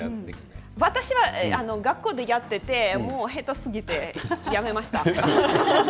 私は学校でやっていてもう下手すぎて、やめました。